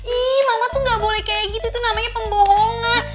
ih mama tuh gak boleh kayak gitu tuh namanya pembohongan